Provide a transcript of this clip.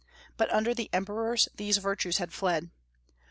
But under the Emperors these virtues had fled.